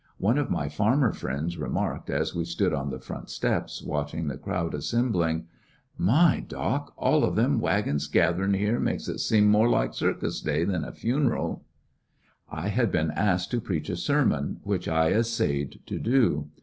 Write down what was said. One of my farmer friends remarked, as we stood on the front steps watching the crowd assembling : "My, doc! all of them wagons gatherin' here makes it seem more like circus day than a funeral." Shouting con I had been asked to preach a sermon, which I essayed to do.